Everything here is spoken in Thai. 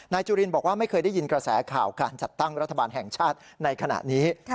จุรินบอกว่าไม่เคยได้ยินกระแสข่าวการจัดตั้งรัฐบาลแห่งชาติในขณะนี้